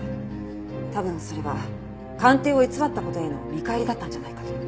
多分それは鑑定を偽った事への見返りだったんじゃないかと。